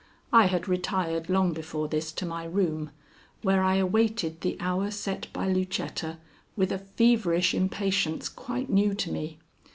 I had retired long before this to my room, where I awaited the hour set by Lucetta with a feverish impatience quite new to me.